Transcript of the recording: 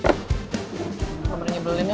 kamu beri belin ya